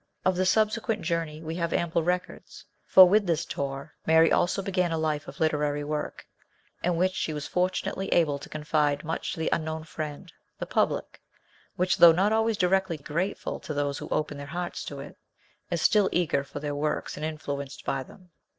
Of the subsequent journey we have ample records, for with this tour 5 * 68 MRS. SHELLEY. Mary also began a life of literary work, in which she was fortunately able to confide much to the unknown friend, the public, which though not always directly grateful to those who open their hearts to it, is still eager for their works and influenced by them.